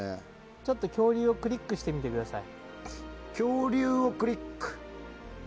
ちょっと恐竜をクリックしてみてください。